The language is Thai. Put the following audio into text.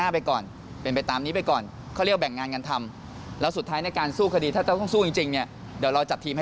ตั้งแต่ตอนนี้ยังมั่นใจว่าเป็นการฆาตการ๕๕หรือเป็น๙๘ครับ